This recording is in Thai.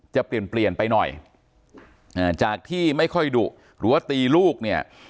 จะเปลี่ยนเปลี่ยนไปหน่อยอ่าจากที่ไม่ค่อยดุหรือว่าตีลูกเนี่ย